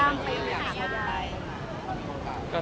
เนี้ยล่ะครับ